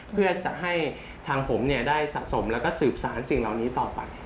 เพื่อจะให้ทางผมได้สะสมแล้วก็สืบสารสิ่งเหล่านี้ต่อไป